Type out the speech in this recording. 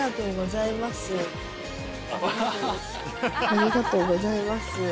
ありがとうございます。